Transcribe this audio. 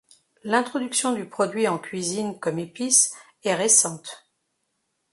L'introduction du produit en cuisine comme épice est récente.